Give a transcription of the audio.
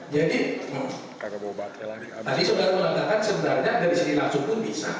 jadi tadi sobara melakukan sebenarnya dari sini langsung pun bisa